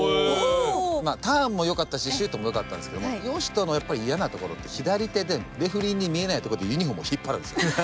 まあターンもよかったしシュートもよかったんですけども嘉人のやっぱり嫌なところって左手でレフェリーに見えないとこでユニフォームを引っ張るんですよ。